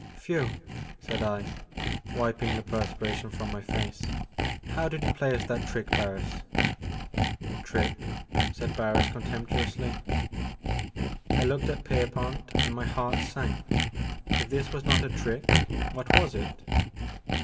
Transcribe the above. "Whewl" said I, wiping the perspiration from my face, " how did you play us that trick, Barris?'' Trick ?" said Barris contemptuously. I looked at Pierpont, and my heart sank. If this was not a trick, what was it